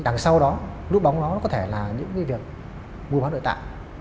đằng sau đó lúc đó có thể là những việc mua bán nội tạng